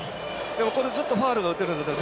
これずっとファウルが打てるなら